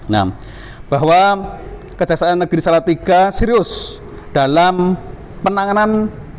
nah bahwa kejaksaan negeri salatiga serius dalam penanganan